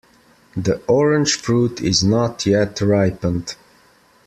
The orange fruit is not yet ripened.